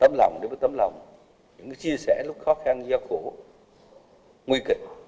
tấm lòng đối với tấm lòng những chia sẻ lúc khó khăn do khổ nguy kịch